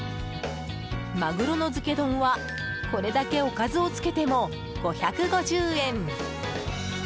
マグロの漬け丼はこれだけおかずを付けても５５０円！